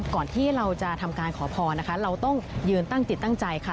ก่อนที่เราจะทำการขอพรนะคะเราต้องยืนตั้งจิตตั้งใจค่ะ